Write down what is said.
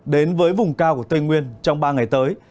đến với vùng cao của tây nguyên trong ba ngày tới